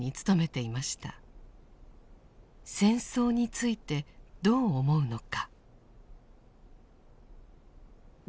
戦争についてどう思うのか。